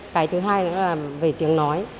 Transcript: cái thứ hai là về tiếng nói